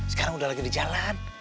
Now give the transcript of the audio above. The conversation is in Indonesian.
sekarang udah lagi di jalan